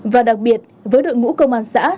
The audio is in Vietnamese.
và đặc biệt với đội ngũ công an xã